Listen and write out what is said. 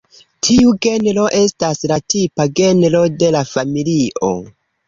Tiu genro estas la tipa genro de la familio.